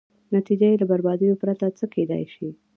نتېجه یې له بربادیو پرته څه کېدای شي.